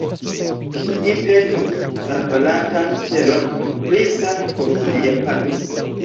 Vi petus la falantan stelon pri sano por via patro.